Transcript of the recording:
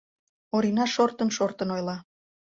Орина шортын-шортын ойла: